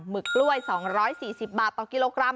ึกกล้วย๒๔๐บาทต่อกิโลกรัม